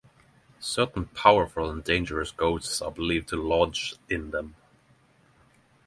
Certain powerful and dangerous ghosts are believed to lodge in them.